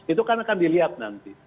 itu kan akan dilihat nanti